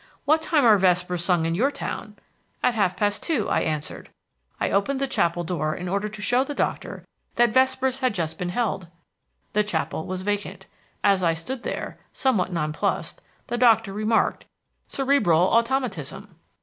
'What time are vespers sung in your town?' 'At half past two,' I answered. I opened the chapel door in order to show the doctor that vespers had just been held: the chapel was vacant. As I stood there, somewhat non plussed, the doctor remarked, 'Cerebral automatism.'